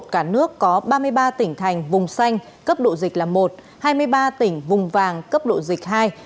cả nước có ba mươi ba tỉnh thành vùng xanh cấp độ dịch là một hai mươi ba tỉnh vùng vàng cấp độ dịch hai